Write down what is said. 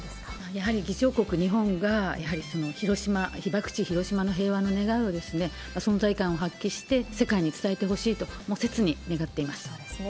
やはり議長国、日本が、やはり広島、被爆地、広島の平和を願う存在感を発揮して、世界に伝えてほしいと、そうですね。